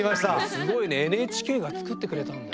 すごいねＮＨＫが作ってくれたんだ。